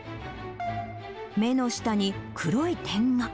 目の下に黒い点が。